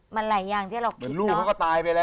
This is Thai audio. มันหลายอย่างที่เราคิดเหมือนลูกเขาก็ตายไปแล้ว